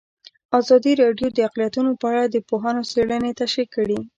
ازادي راډیو د اقلیتونه په اړه د پوهانو څېړنې تشریح کړې.